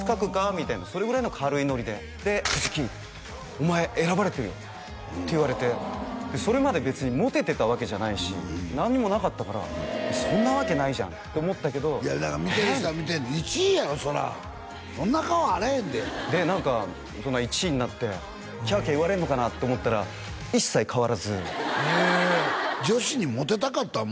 みたいなそれぐらいの軽いノリでで藤木お前選ばれてるよって言われてそれまで別にモテてたわけじゃないし何もなかったからそんなわけないじゃんって思ったけどだから見てる人は見てんねん１位やろそりゃこんな顔あらへんでで何か１位になってキャーキャー言われんのかなと思ったら一切変わらずへえ女子にモテたかったん？